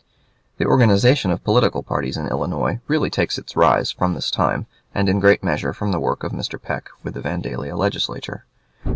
The organization of political parties in Illinois really takes its rise from this time, and in great measure from the work of Mr. Peck with the Vandalia Legislature.